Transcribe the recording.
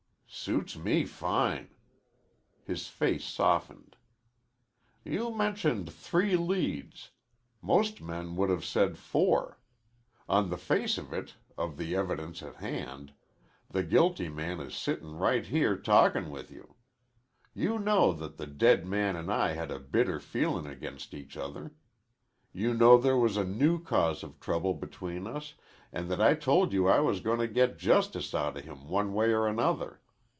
"Suits me fine." His face softened. "You mentioned three leads. Most men would have said four. On the face of it, of the evidence at hand, the guilty man is sittin' right here talkin' with you. You know that the dead man an' I had a bitter feelin' against each other. You know there was a new cause of trouble between us, an' that I told you I was goin' to get justice out of him one way or another.